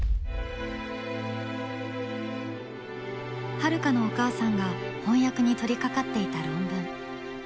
ハルカのお母さんが翻訳に取りかかっていた論文。